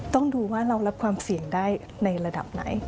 ต้องดูว่าเรารับความเสี่ยงได้ในระดับไหน